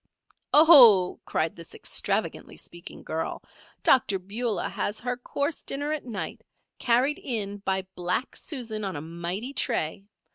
"Oh!" cried this extravagantly speaking girl, "Dr. Beulah has her course dinner at night, carried in by black Susan on a mighty tray.